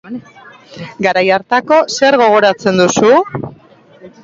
Garai hartako zer gogoratzen duzu?